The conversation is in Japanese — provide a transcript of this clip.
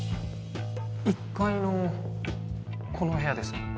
１階のこの部屋です